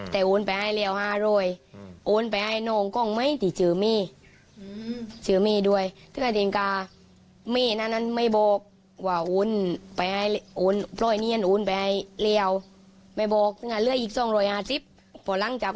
แต่เขาไม่ยอมจบ